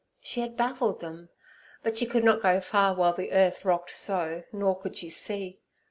She had baffled them, but she could not go far while the earth rocked so, nor could she see.